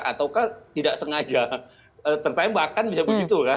ataukah tidak sengaja tertembakan bisa begitu kan